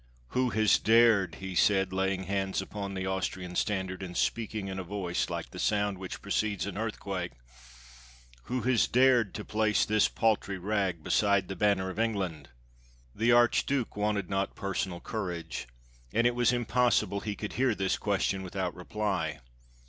"Who has dared," he said, laying his hands upon the Austrian standard, and speaking in a voice Hke the sound which precedes an earthquake; "who has dared to place this paltry rag beside the banner of England? " The Archduke wanted not personal courage, and it was impossible he could hear this question without reply.